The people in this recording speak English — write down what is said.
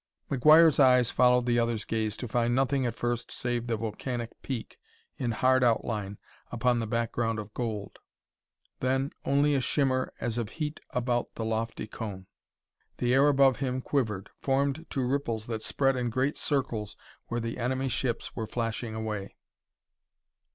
McGuire's eyes followed the other's gaze to find nothing at first save the volcanic peak in hard outline upon the background of gold; then only a shimmer as of heat about the lofty cone. The air above him quivered, formed to ripples that spread in great circles where the enemy ships were flashing away.